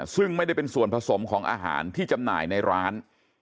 ซึ่งไม่ได้เป็นส่วนผสมของอาหารที่จำหน่ายในร้าน